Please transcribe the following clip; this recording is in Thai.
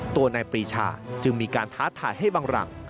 ตัวนายปรีชาจึงมีการท้าทายให้บังหลัง